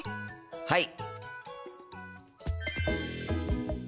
はい！